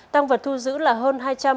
tăng vật thu giữ là hơn hai trăm bốn mươi một